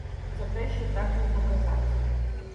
За те, що так він показавсь.